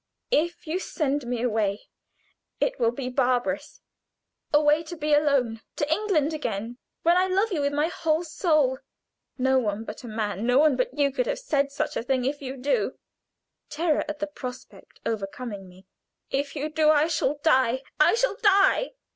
If you send me away it will be barbarous; away to be alone, to England again, when I love you with my whole soul. No one but a man no one but you could have said such a thing. If you do," I added, terror at the prospect overcoming me, "if you do I shall die I shall die."